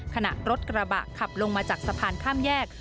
ขณะรถกระบะขับลงมาจากสะพานข้ามแยก